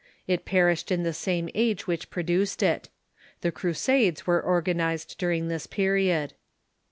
It perished in the same age which produced it. The Crusades were organized during this period.